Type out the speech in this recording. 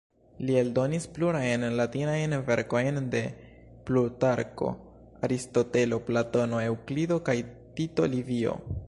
Li eldonis plurajn latinajn verkojn de Plutarko, Aristotelo, Platono, Eŭklido kaj Tito Livio.